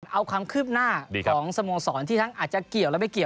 เอาความคืบหน้าของสโมสรที่ทั้งอาจจะเกี่ยวและไม่เกี่ยว